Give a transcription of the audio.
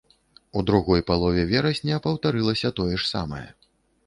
У другой палове верасня паўтарылася тое ж самае.